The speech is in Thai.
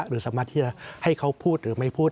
หรือสามารถที่จะให้เขาพูดหรือไม่พูด